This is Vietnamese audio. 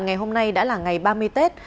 ngày hôm nay đã là ngày ba mươi tết